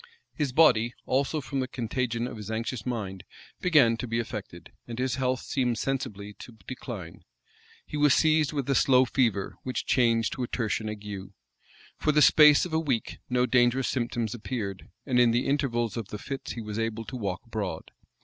His body, also, from the contagion of his anxious mind, began to be affected, and his health seemed sensibly to decline. He was seized with a slow fever, which changed into a tertian ague. For the space of a week, no dangerous symptoms appeared: and in the intervals of the fits he was able to walk abroad.